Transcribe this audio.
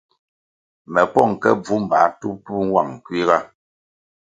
Me pong ke bvu mbā tup-tup nwang kuiga.